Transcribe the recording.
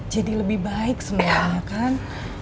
jadi lebih baik semuanya kan